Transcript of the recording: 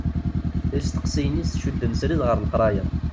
Isteqsiyen-is cudden srid ɣer leqraya.